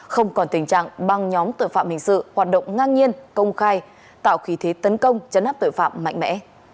không còn tình trạng băng nhóm tội phạm hình sự hoạt động ngang nhiên công khai tạo khí thế tấn công chấn áp tội phạm mạnh mẽ